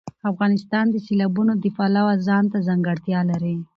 افغانستان د سیلابونه د پلوه ځانته ځانګړتیا لري.